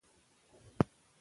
پوهه د ژوند لاره روښانه کوي.